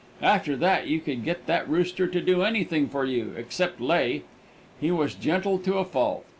After that you could get that rooster to do anything for you except lay. He was gentle to a fault.